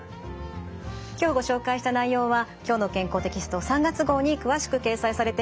今日ご紹介した内容は「きょうの健康」テキスト３月号に詳しく掲載されています。